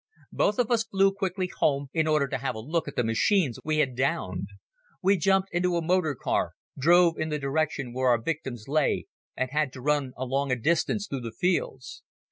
Both of us flew quickly home in order to have a look at the machines we had downed. We jumped into a motor car, drove in the direction where our victims lay and had to run along a distance through the fields.